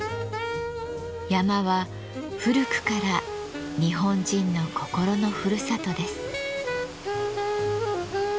山は古くから日本人の心のふるさとです。